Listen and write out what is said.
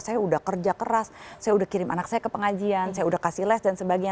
saya udah kerja keras saya udah kirim anak saya ke pengajian saya udah kasih les dan sebagainya